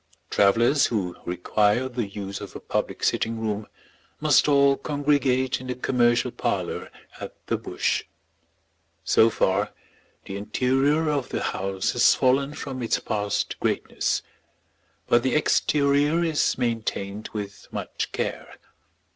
Travellers who require the use of a public sitting room must all congregate in the commercial parlour at the Bush. So far the interior of the house has fallen from its past greatness. But the exterior is maintained with much care.